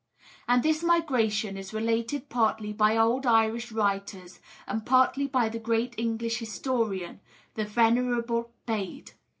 And this migration is related partly by old Irish writers, and partly by the great English historian, the Venerable Bede.